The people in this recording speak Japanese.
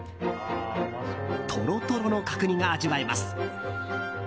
とろとろの角煮が味わえます。